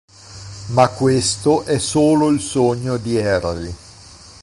Ma questo è solo il sogno di Harry.